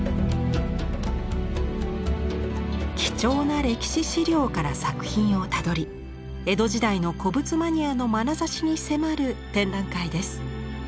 貴重な歴史資料から作品をたどり江戸時代の古物マニアのまなざしに迫る展覧会です。